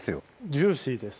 ジューシーです